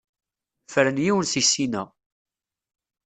Fren yiwen seg sin-a.